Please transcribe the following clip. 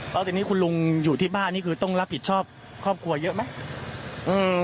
แล้วทีนี้คุณลุงอยู่ที่บ้านนี่คือต้องรับผิดชอบครอบครัวเยอะไหม